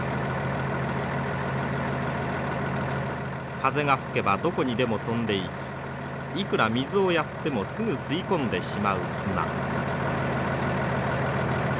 風が吹けばどこにでも飛んでいきいくら水をやってもすぐ吸い込んでしまう砂。